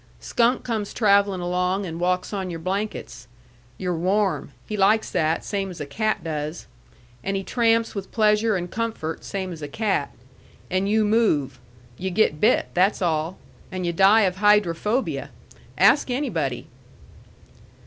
Skunk comes travelling along and walks on your blankets. You're warm. He likes that, same as a cat does. And he tramps with pleasure and comfort, same as a cat. And you move. You get bit, that's all. And you die of hydrophobia. Ask anybody."